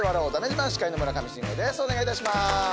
お願いいたします。